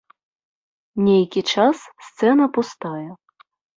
Нейкі час сцэна пустая.